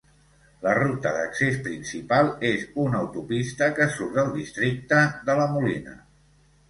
La ruta d'accés principal és una autopista que surt del districte de La Molina.